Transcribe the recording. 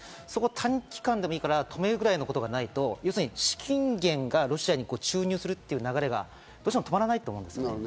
短期間でもいいから止めるぐらいのことがないと資金源がロシアに注入するという流れがどうしても止まらないと思います。